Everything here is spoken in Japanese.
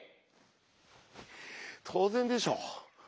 当然でしょ。